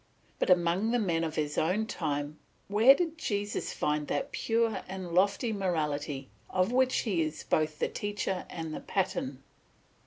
But among the men of his own time where did Jesus find that pure and lofty morality of which he is both the teacher and pattern?